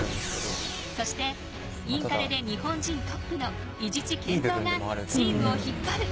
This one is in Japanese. そしてインカレで日本人トップの伊地知賢造がチームを引っ張る。